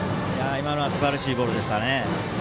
今のはすばらしいボールでしたね。